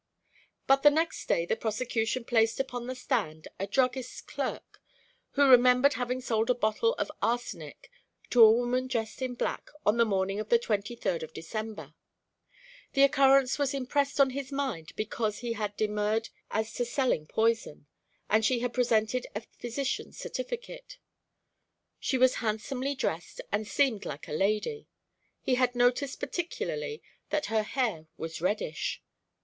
But the next day the prosecution placed upon the stand a druggist's clerk, who remembered having sold a bottle of arsenic to a woman dressed in black on the morning of the twenty third of December. The occurrence was impressed on his mind because he had demurred as to selling poison, and she had presented a physician's certificate. She was handsomely dressed and seemed like a lady; he had noticed particularly that her hair was reddish.